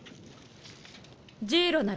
ジイロなら？